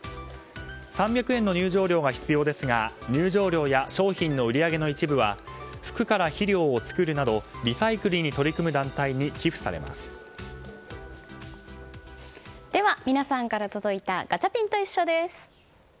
３００円の入場料が必要ですが入場料や商品の売り上げの一部は服から肥料を作るなどリサイクルに取り組む団体にでは、皆さんから届いたガチャピンといっしょ！です。